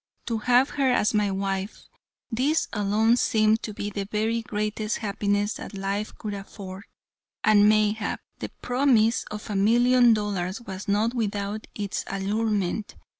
To have her as my wife, this alone seemed to be the very greatest happiness that life could afford, and mayhap, the promise of a million dollars was not without its allurement.